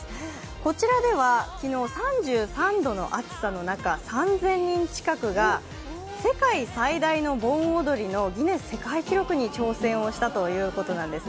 こちらでは昨日、３３度の暑さの中、３０００人近くが、世界最大の盆踊りのギネス世界記録に挑戦したということです。